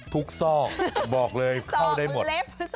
ทุกซอกบอกเลยเข้าได้หมด